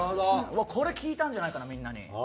これ効いたんじゃないかなみんなに。